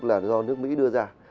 là do nước mỹ đưa ra